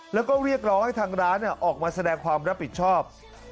แล้วก็เรียกร้องให้ทางร้านออกมาแสดงความรับผิดชอบ